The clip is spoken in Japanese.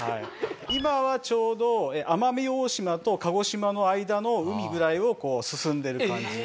今はちょうど奄美大島と鹿児島の間の海ぐらいを進んでる感じ。